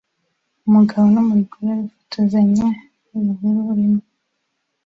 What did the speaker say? Umugabo numugore bifotozanya nibihuru bimwe